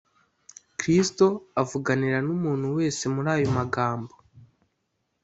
kristo avuganira n’umuntu wese muri ayo magambo